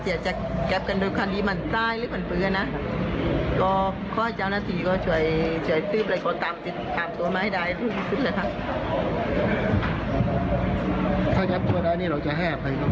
ถ้าจับตัวได้เราจะแห้งไปก็ได้ค่ะ